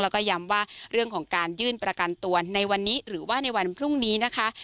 แล้วก็ย้ำว่าเรื่องของการยื่นประกันตัวในวันนี้หรือว่าในวันพรุ่งนี้นะคะ